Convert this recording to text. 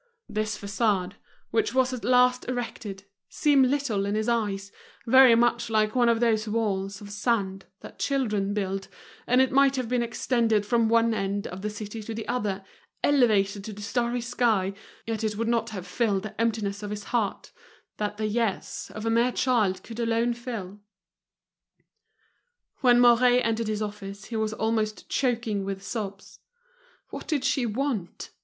This façade, which was at last erected, seemed little in his eyes, very much like one of those walls of sand that children build, and it might have been extended from one end of the city to the other, elevated to the starry sky, yet it would not have filled the emptiness of his heart, that the "yes" of a mere child could alone fill. When Mouret entered his office he was almost choking with sobs. What did she want?